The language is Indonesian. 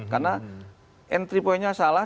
karena entry pointnya salah